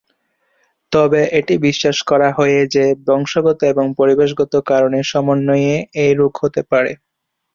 তবে এটি বিশ্বাস করা হয়ে যে বংশগত এবং পরিবেশগত কারণের সমন্বয়ে এই রোগ হতে পারে।